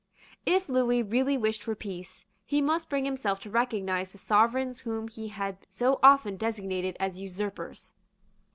If Lewis really wished for peace, he must bring himself to recognise the Sovereigns whom he had so often designated as usurpers.